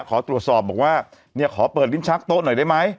ขอตรวจสอบบอกว่าเนี่ยขอเปิดลิ้นชักโต๊ะหน่อยได้ไหม